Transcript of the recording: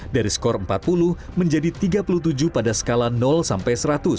dari skor empat puluh menjadi tiga puluh tujuh pada skala sampai seratus